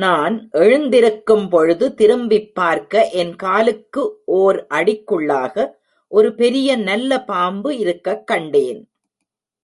நான் எழுந்திருக்கும் பொழுது திரும்பிப் பார்க்க என் காலுக்கு ஓர் அடிக்குள்ளாக ஒரு பெரிய நல்லபாம்பு இருக்கக் கண்டேன்!